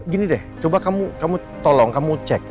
gini deh coba kamu tolong kamu cek